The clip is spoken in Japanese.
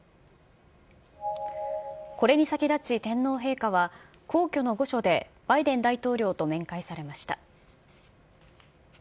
これに先立ち天皇陛下は、皇居の御所でバイデン大統領と面会されました。